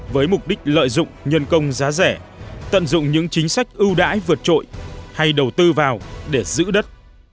với mục đích lợi dụng nhân công giá rẻ tận dụng những chính sách ưu đãi vượt trội hay đầu tư vào để giữ đất